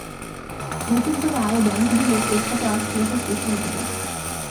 নতুন করে আরও ব্যাংক দিলে এ খাতে অস্থিরতা সৃষ্টি হতে পারে।